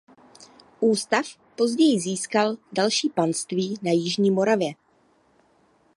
Ústav později získal další panství na jižní Moravě.